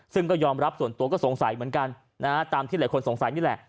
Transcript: ซึ่งก็ยอมรับส่วนตัวก็สงสัยเหมือนกันนะฮะตามที่หลายคนสงสัยนี่แหละ